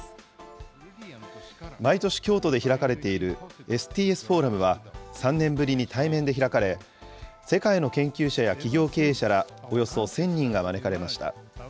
毎年京都で開かれているＳＴＳフォーラムは、３年ぶりに対面で開かれ、世界の研究者や企業経営者らおよそ１０００人が招かれました。